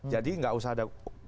jadi nggak usah ada kemauan